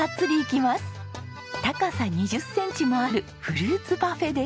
高さ２０センチもあるフルーツパフェです。